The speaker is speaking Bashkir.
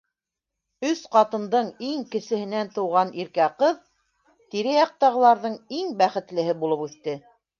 Өс ҡатындың иң кесеһенән тыуған иркә ҡыҙ тирә-яҡтағыларҙың иң бәхетлеһе булып үҫте.